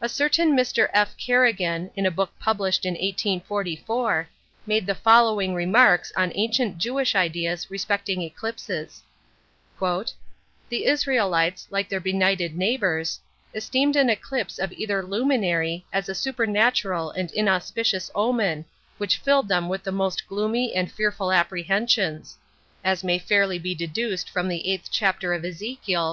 A certain Mr. F. Kerigan, in a book published in 1844, made the following remarks on ancient Jewish ideas respecting eclipses:— "The Israelites, like their benighted neighbours, esteemed an eclipse of either luminary as a supernatural and inauspicious omen, which filled them with the most gloomy and fearful apprehensions: as may fairly be deduced from the 8th chapter of Ezekiel, v.